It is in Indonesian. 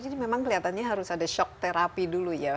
jadi memang kelihatannya harus ada shock therapy dulu ya